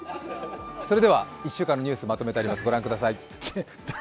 それでは１週間のニュースまとめてあります、御覧ください。